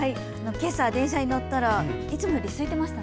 今朝、電車に乗ったらいつもよりすいてました。